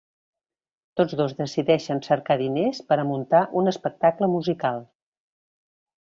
Tots dos decideixen cercar diners per a muntar un espectacle musical.